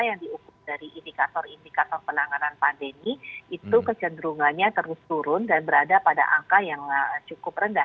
yang diukur dari indikator indikator penanganan pandemi itu kecenderungannya terus turun dan berada pada angka yang cukup rendah